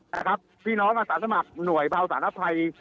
นะครับพี่น้องอาสาสมัครหน่วยเบาสาธารณภัย